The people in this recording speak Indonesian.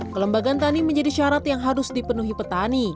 kelembagaan tani menjadi syarat yang harus dipenuhi petani